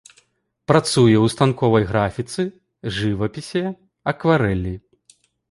Працуе ў станковай графіцы, жывапісе, акварэлі.